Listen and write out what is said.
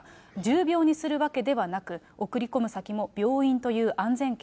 重病にするわけではなく、送り込む先も病院という安全圏。